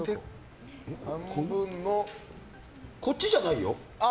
こっちじゃないよ？